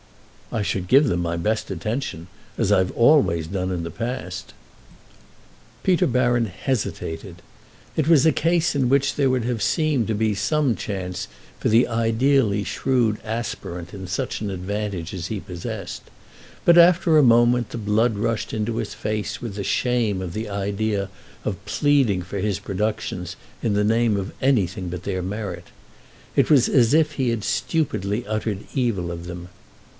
"I should give them my best attention—as I've always done in the past." Peter Baron hesitated. It was a case in which there would have seemed to be some chance for the ideally shrewd aspirant in such an advantage as he possessed; but after a moment the blood rushed into his face with the shame of the idea of pleading for his productions in the name of anything but their merit. It was as if he had stupidly uttered evil of them.